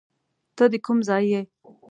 ته د کوم ځای یې؟